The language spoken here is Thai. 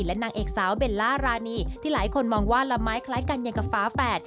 และนางเอกสาวเบลล่ารานีที่หลายคนมองว่าละไม้คล้ายกันอย่างกับฟ้าแฝด